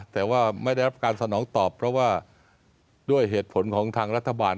แต่ว่าไม่ได้รับการสนองตอบเพราะว่าด้วยเหตุผลของทางรัฐบาล